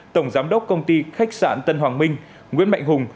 tổng giám đốc công ty khách sạn tân hoàng minh nguyễn mạnh hùng